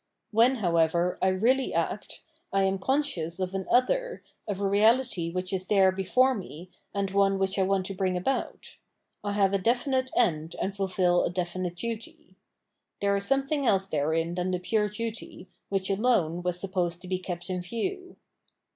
When, however, I really act, I am conscious of an "other," of a reality which is there before me, and one which I want to bring about ; I have a definite end and fulfil a definite duty. There is some thing else therein than the pure duty, which alone was supposed to be kept in view.